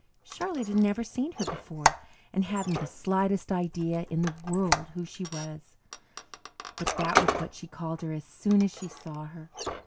Charlotte had never seen her before and hadn't the slightest idea in the world who she was, but that was what she called her as soon as she saw her.